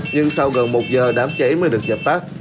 nhưng sau gần một giờ đám cháy mới được dập tắt